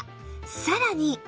さらに